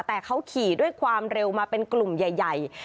แต่เขาขี่ด้วยความเร็วมาเป็นกลุ่มใหญ่